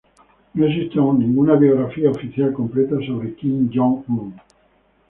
No existe aún ninguna biografía oficial completa sobre Kim Jong-un.